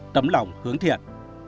tấm lòng hướng thiệt